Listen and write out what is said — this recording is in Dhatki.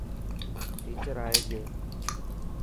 ٽيچر ائي گيو.